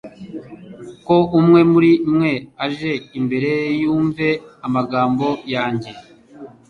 ko umwe muri mwe aje imbere yumve amagambo yanjye